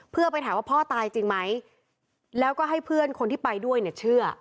เพื่อไปถามว่าพ่อตายจริงไหมแล้วก็ให้เพื่อนคนที่ไปด้วยเนี่ยเชื่อ